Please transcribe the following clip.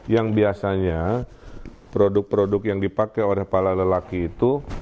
yang biasanya produk produk yang dipakai oleh para lelaki itu